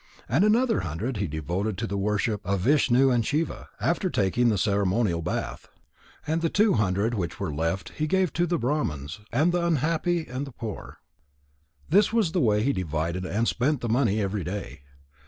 And another hundred he devoted to the worship of Vishnu and Shiva, after taking the ceremonial bath. And the two hundred which were left he gave to Brahmans and the unhappy and the poor. This was the way he divided and spent the money every day.